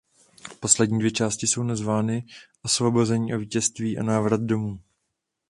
Poslední dvě části jsou nazvány "Osvobození a vítězství" a "návrat domů".